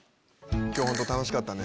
今日本当楽しかったね。